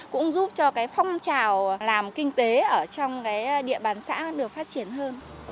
cũng giúp cho phong trào làm kinh tế ở trong cái địa bàn xã được phát triển hơn